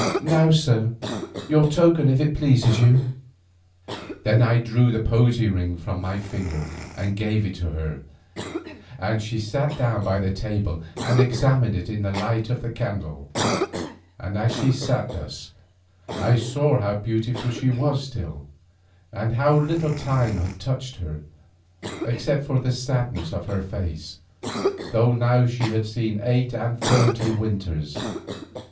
"Now, sir, your token if it pleases you." Then I drew the posy ring from my finger and gave it to her, and she sat down by the table and examined it in the light of the candle, and as she sat thus, I saw how beautiful she was still, and how little time had touched her, except for the sadness of her face, though now she had seen eight and thirty winters.